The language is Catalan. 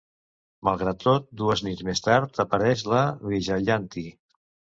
Malgrat tot, dues nits més tard apareix la Vyjayanti.